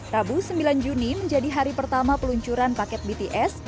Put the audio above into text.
rabu sembilan juni menjadi hari pertama peluncuran paket bts